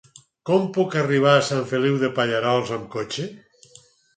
Com puc arribar a Sant Feliu de Pallerols amb cotxe?